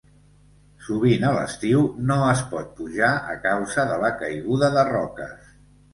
Sovint a l'estiu no es pot pujar a causa de la caiguda de roques.